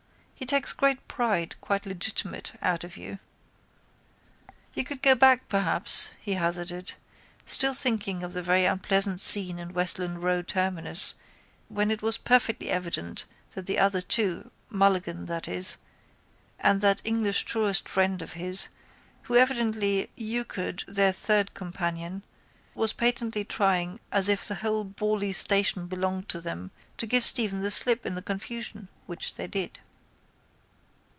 He takes great pride, quite legitimate, out of you. You could go back perhaps, he hasarded, still thinking of the very unpleasant scene at Westland Row terminus when it was perfectly evident that the other two, Mulligan, that is, and that English tourist friend of his, who eventually euchred their third companion, were patently trying as if the whole bally station belonged to them to give Stephen the slip in the confusion, which they did.